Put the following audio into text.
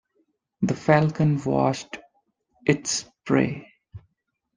The falcon watched its prey.